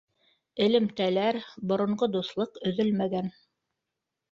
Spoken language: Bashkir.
Элемтәләр, боронғо дуҫлыҡ өҙөлмәгән